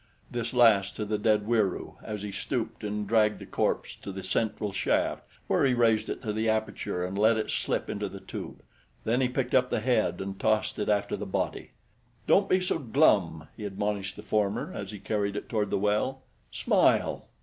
This last to the dead Wieroo as he stooped and dragged the corpse to the central shaft, where he raised it to the aperture and let it slip into the tube. Then he picked up the head and tossed it after the body. "Don't be so glum," he admonished the former as he carried it toward the well; "smile!"